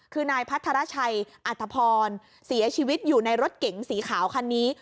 คือนายพัทรชัยอัธพรเสียชีวิตอยู่ในรถเก๋งสีขาวคันนี้